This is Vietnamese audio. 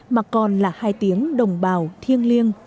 mà còn là hai tiếng đồng bào thiêng